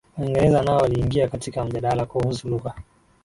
Waingereza nao waliingia katiika mjadala kuhusu lugha